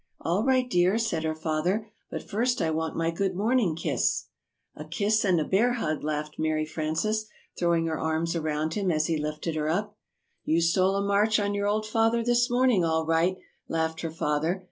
"All right, dear," said her father; "but first I want my good morning kiss." "A kiss and a bear hug," laughed Mary Frances, throwing her arms around him as he lifted her up. "You stole a march on your old father this morning, all right," laughed her father.